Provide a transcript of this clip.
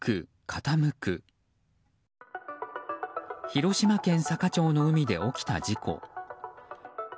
広島県坂町の海で起きた事故。